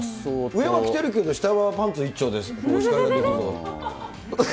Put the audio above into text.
上は着てるけど、下はパンツ一丁で。